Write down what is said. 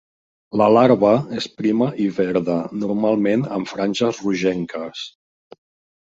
La larva és prima i verda, normalment amb franges rogenques.